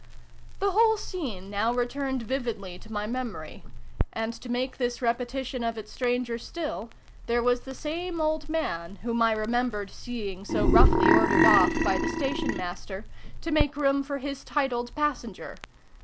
The whole scene now returned vividly to my memory ; and, to make this repetition of 22 SYLVIE AND BRUNO CONCLUDED it stranger still, there was the same old man, whom I remembered seeing so roughly ordered off, by the Station Master, to make room for his titled passenger.